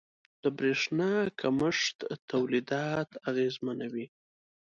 • د برېښنا کمښت تولیدات اغېزمنوي.